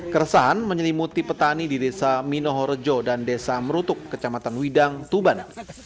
keresahan menyelimuti petani di desa mino horejo dan desa merutuk kecamatan widang tuban